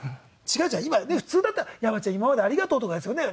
今普通だったら「山ちゃん今までありがとう」とかですよね。